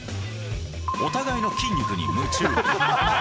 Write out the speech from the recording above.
お互いの筋肉に夢中。